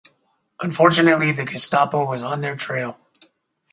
Unfortunately, the Gestapo was on their trail.